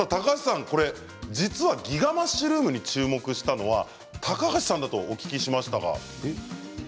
実はギガマッシュルームに注目したのは高橋さんだとお聞きしましたが。